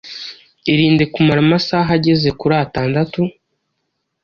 Irinde kumara amasaha ageze kuri atandatu